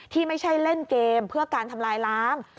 ที่ไม่ใช่เล่นเกมเพื่อการทำลายล้าง